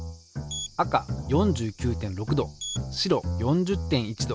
赤４９．６℃白４０．１℃。